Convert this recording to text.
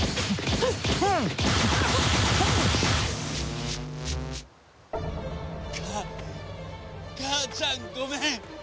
フッ！か母ちゃんごめん。